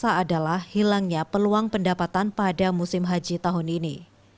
yang berasal adalah hilangnya peluang pendapatan pada musim haji tahun ini